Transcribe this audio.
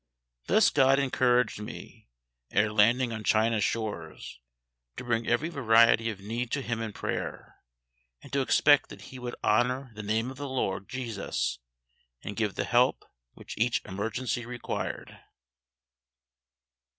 Thus GOD encouraged me, ere landing on China's shores, to bring every variety of need to Him in prayer, and to expect that He would honour the Name of the LORD JESUS, and give the help which each emergency required.